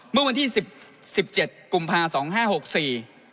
เมื่อวันที่๑๗กุมภาคมสองห้าหกสี่